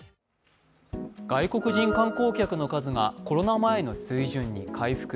外国人観光客の数がコロナ前の水準に回復。